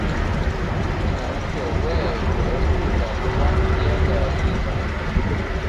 从九位为日本官阶的一种。